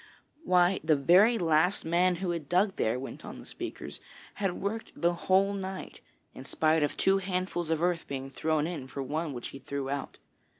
'Why, the very last man who had dug there,' went on the speakers, 'had worked the whole night, in spite of two handfuls of earth being thrown in for one which he threw out.